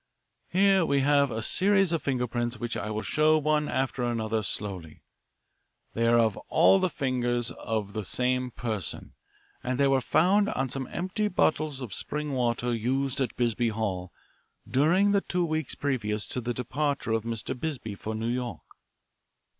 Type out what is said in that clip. "Here we have a series of finger prints which I will show one after another slowly. They are all of the fingers of the same person, and they were found on some empty bottles of spring water used at Bisbee Hall during the two weeks previous to the departure of Mr. Bisbee for New York.